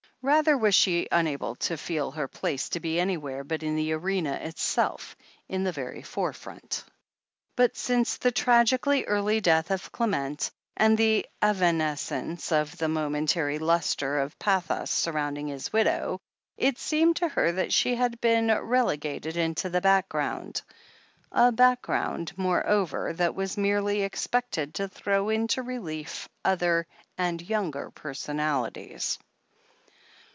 Rather was she unable to feel her place to be any where but in the arena itself, in the very forefront. But since the tragically early death of Clement, and the evanescence of the momentary lustre of pathos sur rounding his widow, it seemed to her that she had been relegated into the background — 3, background, more over, that was merely expected to throw into relief other and younger personalities.